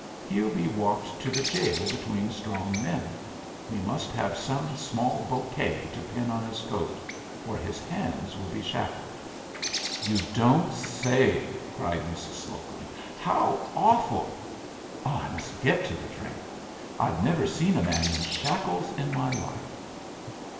He'll be walked to the jail between strong men. We must have some small bokay to pin on his coat, for his hands will be shackled." "You don't say!" cried Mrs. Slocum. "How awful! I must get to that train. I've never seen a man in shackles in my life."